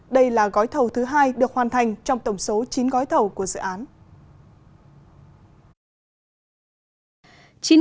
đây là gói thầu thứ hai được hoàn thành trong tổng số chín gói thầu của dự án